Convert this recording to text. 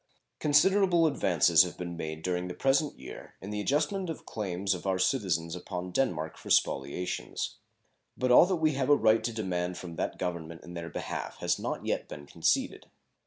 Considerable advances have been made during the present year in the adjustment of claims of our citizens upon Denmark for spoliations, but all that we have a right to demand from that Government in their behalf has not yet been conceded.